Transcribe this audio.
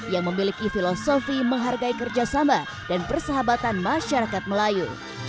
yang memiliki filosofi menghargai kerjasama dan persahabatan masyarakat melayu